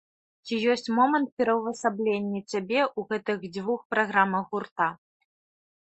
Ці ёсць момант пераўвасаблення цябе ў гэтых дзвюх праграмах гурта?